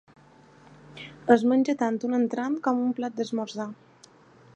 Es menja tant com un entrant o com un plat d'esmorzar.